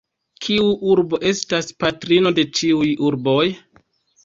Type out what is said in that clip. Kiu urbo estas patrino de ĉiuj urboj?